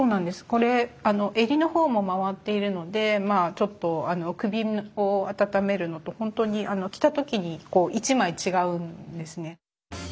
これ襟のほうも回っているのでまあちょっと首をあたためるのと本当に着たときに１枚違うんですね。